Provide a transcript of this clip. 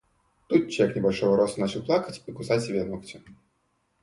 Тут человек небольшого роста начал плакать и кусать себе ногти.